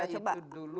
saya itu dulu